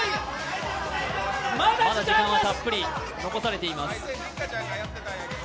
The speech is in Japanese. まだ時間はたっぷり残されております。